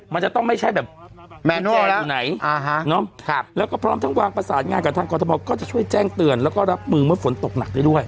มันจะต้องไม่ใช่แบบแมนจออยู่ไหนแล้วก็พร้อมทั้งวางประสานงานกับทางกรทมก็จะช่วยแจ้งเตือนแล้วก็รับมือเมื่อฝนตกหนักได้ด้วย